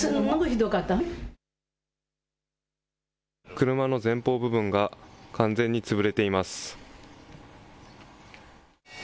車の前方部分が完全に潰れています。